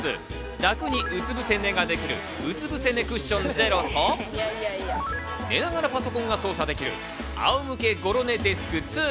楽にうつ伏せ寝ができる、うつぶせ寝クッション０と、寝ながらパソコンが操作できる仰向けゴロ寝デスク２。